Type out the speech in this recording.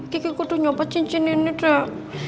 kikiku udah nyopet cincin ini drek